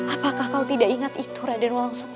apakah kau tidak ingat itu raden walang sulsang